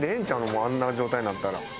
もうあんな状態になったら。